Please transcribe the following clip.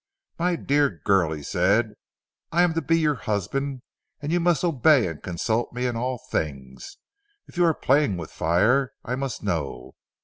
"My dear girl," he said, "I am to be your husband, and you must obey and consult me in all things. If you are playing with fire, I must know.